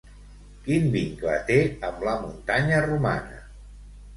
Quin vincle té amb la muntanya romana?